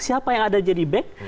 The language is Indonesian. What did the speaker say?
siapa yang ada jadi back